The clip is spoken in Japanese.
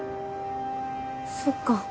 そっか。